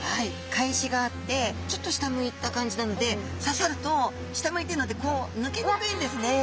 かえしがあってちょっと下向いた感じなので刺さると下向いてるので抜けにくいんですね。